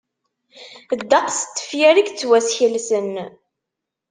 Ddeqs n tefyar i yettwaskelsen.